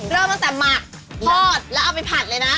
เริ่มตั้งแต่หมักทอดแล้วเอาไปผัดเลยนะ